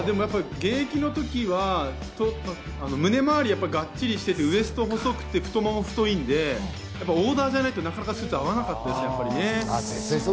現役の時は胸周りががっちりしていてウエストが細くて太ももが太いのでオーダーじゃないと合わなかったですね。